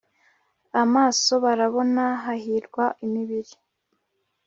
Amaso Barabona Hahirwa imibiri